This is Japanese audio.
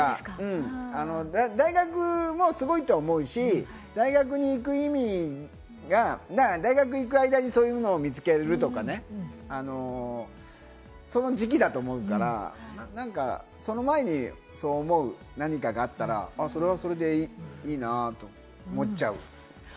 大学もすごいと思うし、大学に行く意味が、行く間にそういうのを見つけるとかね、その時期だと思うから、その前にそう思う何かがあったら、それはそれでいいなって思っちゃう。